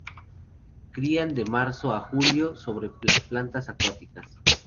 Crían de marzo a julio sobre las plantas acuáticas.